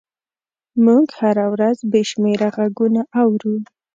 موږ هره ورځ بې شمېره غږونه اورو.